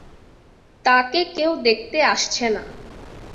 তাঁকে কেউ দেখতে আসছে না।